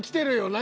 何？